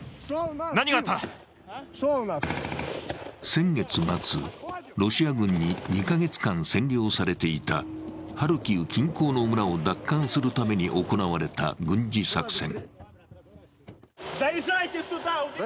先月末、ロシア軍に２カ月間占領されていたハルキウ近郊の村を奪還するために行われた軍事作戦。